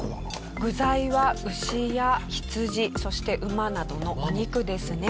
具材は牛や羊そして馬などのお肉ですね。